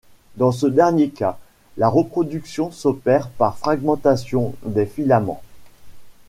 Dans ce dernier cas la reproduction s'opère par fragmentation des filaments.